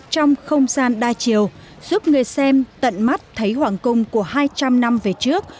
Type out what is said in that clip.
trong không gian đa chiều giúp người xem tận mắt thấy hoàng cung của hai trăm linh năm về trước